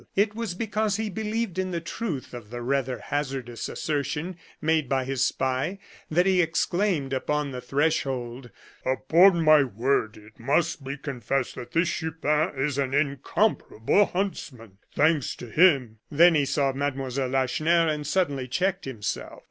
It was because he believed in the truth of the rather hazardous assertion made by his spy that he exclaimed, upon the threshold: "Upon my word! it must be confessed that this Chupin is an incomparable huntsman! Thanks to him " Then he saw Mlle. Lacheneur, and suddenly checked himself.